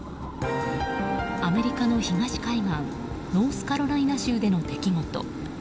アメリカの東海岸ノースカロライナ州での出来事。